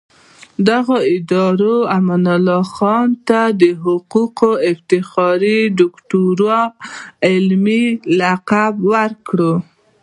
دغو ادارو امان الله خان ته د حقوقو د افتخاري ډاکټرۍ علمي لقب ورکړ.